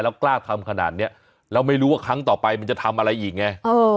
กล้าทำขนาดนี้แล้วไม่รู้ว่าครั้งต่อไปมันจะทำอะไรอีกไง